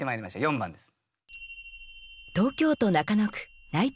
４番です。